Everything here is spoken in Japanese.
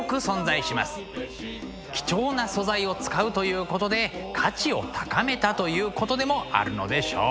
貴重な素材を使うということで価値を高めたということでもあるのでしょう。